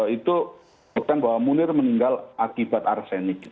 itu bukan bahwa munir meninggal akibat arsenik